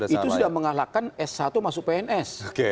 itu sudah mengalahkan s satu masuk pns